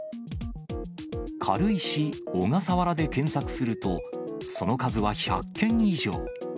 軽石・小笠原で検索すると、その数は１００件以上。